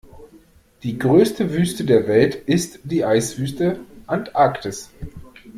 Die größte Wüste der Welt ist die Eiswüste Antarktis.